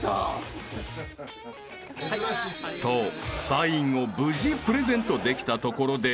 ［とサインを無事プレゼントできたところで］